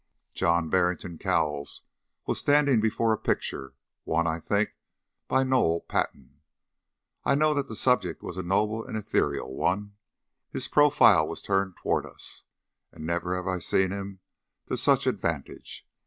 John Barrington Cowles was standing before a picture one, I think, by Noel Paton I know that the subject was a noble and ethereal one. His profile was turned towards us, and never have I seen him to such advantage.